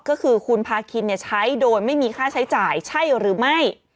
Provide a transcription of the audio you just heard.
ก็คือคุณพาคินใช้โดยไม่มีค่าใช้จ่ายใช่หรือไม่